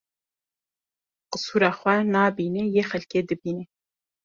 Qisura xwe nabîne yê xelkê dibîne